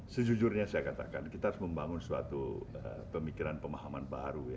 sejujurnya saya katakan kita harus membangun suatu pemikiran pemahaman baru ya